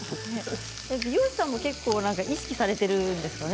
美容師さんも結構、意識されているんですかね？